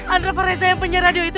andre fareza yang penyihir radio itu